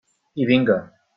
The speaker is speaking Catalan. I vinga.